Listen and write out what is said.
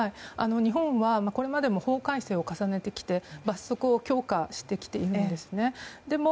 日本はこれまでも法改正を重ねてきて罰則を強化してきているんです。